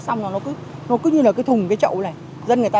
xách nhiều không ạ